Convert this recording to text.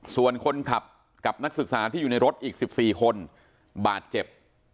ส่วนคนขับกับนักศึกษาที่อยู่ในรถอีก๑๔คนบาดเจ็บ